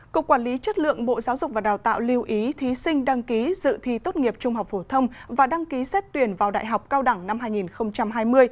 cục quản lý chất lượng bộ giáo dục và đào tạo lưu ý thí sinh đăng ký dự thi tốt nghiệp trung học phổ thông và đăng ký xét tuyển vào đại học cao đẳng năm hai nghìn hai mươi